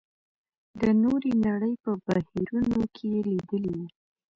د نورې نړۍ په بهیرونو کې یې لېدلي وو.